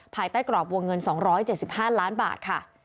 ภายใต้กรอบวงเงิน๒๗๕ล้านบาทค่ะ